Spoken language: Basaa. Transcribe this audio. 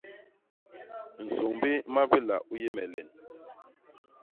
Nsômbi mabila u yé me len.